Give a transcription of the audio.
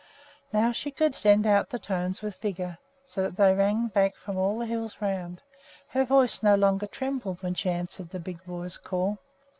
Now she could send out the tones with vigor, so that they rang back from all the hills around; her voice no longer trembled when she answered the big boys' call.